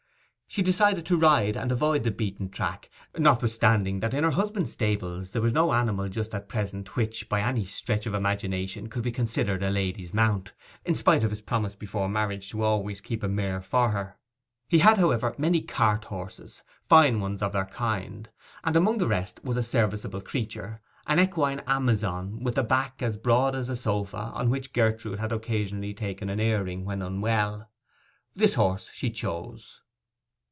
She decided to ride, and avoid the beaten track, notwithstanding that in her husband's stables there was no animal just at present which by any stretch of imagination could be considered a lady's mount, in spite of his promise before marriage to always keep a mare for her. He had, however, many cart horses, fine ones of their kind; and among the rest was a serviceable creature, an equine Amazon, with a back as broad as a sofa, on which Gertrude had occasionally taken an airing when unwell. This horse she chose.